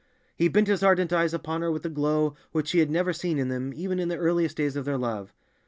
He bent his ardent eyes upon her with a glow which she had never seen in them even in the earliest days of their love.